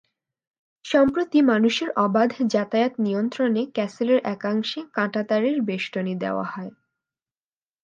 সম্প্রতি মানুষের অবাধ যাতায়াত নিয়ন্ত্রণে ক্যাসেলের একাংশে কাঁটাতারের বেষ্টনী দেওয়া হয়।